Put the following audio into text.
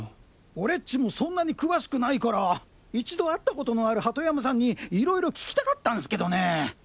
俺っちもそんなに詳しくないから一度会ったことのある鳩山さんに色々聞きたかったんスけどねぇ。